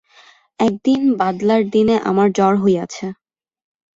একদিন বাদলার দিনে আমার জ্বর হইয়াছে।